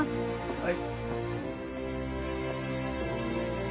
はい。